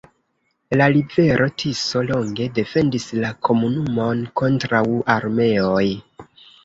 La rivero Tiso longe defendis la komunumon kontraŭ armeoj.